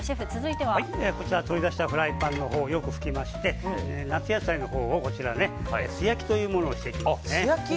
取り出したフライパンをよく拭きまして、夏野菜のほうを素焼きしていきます。